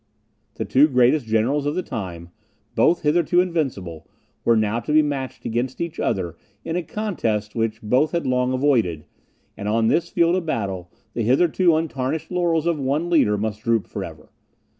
The two greatest generals of the time, both hitherto invincible, were now to be matched against each other in a contest which both had long avoided; and on this field of battle the hitherto untarnished laurels of one leader must droop for ever.